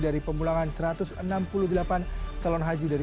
dari pemulangan satu ratus enam puluh delapan calon haji dari